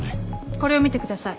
これを見てください。